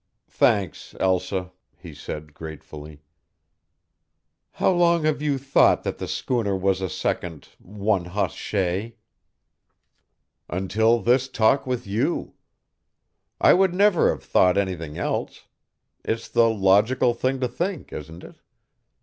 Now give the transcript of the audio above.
"Thanks, Elsa," he said, gratefully. "How long have you thought that the schooner was a second 'one hoss shay'?" "Until this talk with you. I would never have thought anything else. It's the logical thing to think, isn't it?